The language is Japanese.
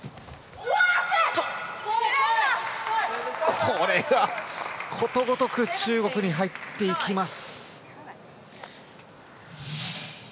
これは、ことごとく中国に入っていきます。